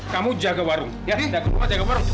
kamu jaga warung ya